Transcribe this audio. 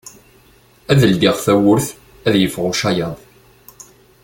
Ad ldiɣ tawwurt ad yeffeɣ ucayaḍ.